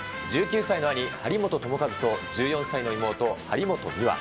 １９歳の兄、張本智和と１４歳の妹、張本美和。